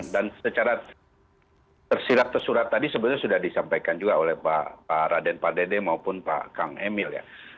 dan secara tersirat tersurat tadi sebenarnya sudah disampaikan juga oleh pak raden pak dede maupun kang emil